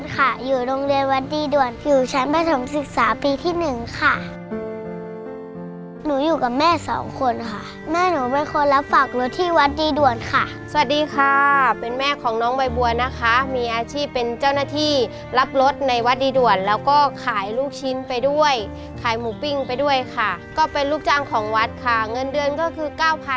ค่ะอยู่โรงเรียนวัดดีด่วนอยู่ชั้นประถมศึกษาปีที่๑ค่ะหนูอยู่กับแม่สองคนค่ะแม่หนูเป็นคนรับฝากรถที่วัดดีด่วนค่ะสวัสดีค่ะเป็นแม่ของน้องใบบัวนะคะมีอาชีพเป็นเจ้าหน้าที่รับรถในวัดดีด่วนแล้วก็ขายลูกชิ้นไปด้วยขายหมูปิ้งไปด้วยค่ะก็เป็นลูกจ้างของวัดค่ะเงินเดือนก็คือเก้าพัน